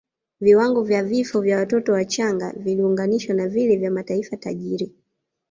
Viwango vya vifo vya watoto wachanga vililinganishwa na vile vya mataifa tajiri